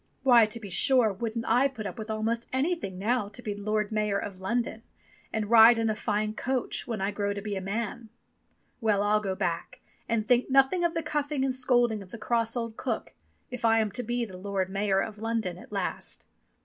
"Why, to be sure, wouldn't I put up with almost anything now to be Lord Mayor of London, and ride in a fine coach, when I grow to be a man ! Well, I'll go back, and think nothing of the cuffing and scolding of the cross old cook if I am to be Lord Mayor of London at last."